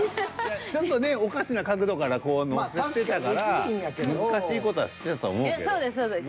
ちょっとねおかしな角度からこう載せてたから難しい事はしてたと思うけど。